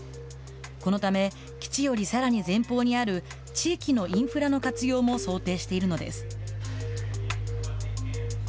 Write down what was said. このため、基地よりさらに前方にある、地域のインフラの活用も想定しているのです。